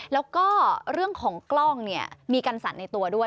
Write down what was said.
แล้วก็เรื่องของกล้องเนี่ยมีการสั่นในตัวด้วย